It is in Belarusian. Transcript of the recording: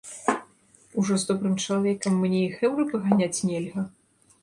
Ужо з добрым чалавекам мне і хэўры паганяць нельга?!